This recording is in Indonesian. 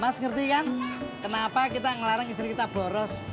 mas ngerti kan kenapa kita ngelarang istri kita boros